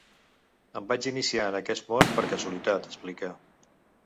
Em vaig iniciar en aquest món per casualitat, explica.